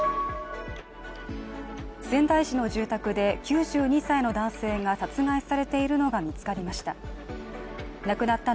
仙台市の住宅で９２歳の男性が殺害されているのが見つかりました。